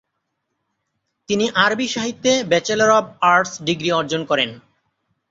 তিনি আরবি সাহিত্যে ব্যাচেলর অব আর্টস ডিগ্রি অর্জন করেন।